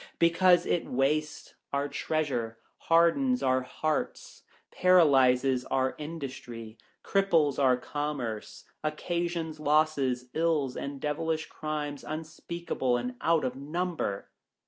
Because it wastes our treasure, hardens our hearts, paralyses our industry, cripples our commerce, occasions losses, ills, and devilish crimes, unspeakable and out of number."